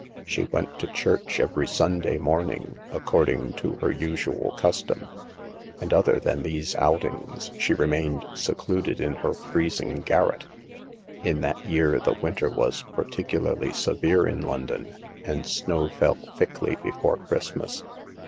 She went to church every Sunday morning, according to her usual custom ; and other than these outings she remained secluded in her freezing garret. In that year the winter was particularly severe in London, and snow fell thickly before Christmas.